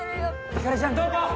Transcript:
光莉ちゃんどこ？